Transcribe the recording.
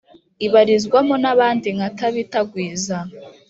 ibarizwamo n’abandi nka tabitha gwiza